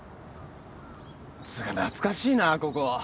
つうか懐かしいなここ。